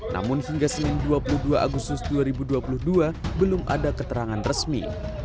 namun hingga senin dua puluh dua agustus dua ribu dua puluh dua belum ada keterangan resmi